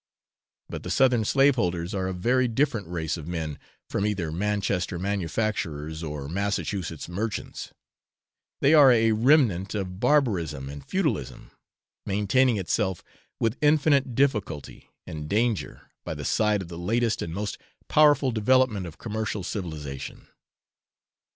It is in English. But the Southern slaveholders are a very different race of men from either Manchester manufacturers or Massachusetts merchants; they are a remnant of barbarism and feudalism, maintaining itself with infinite difficulty and danger by the side of the latest and most powerful developement of commercial civilisation.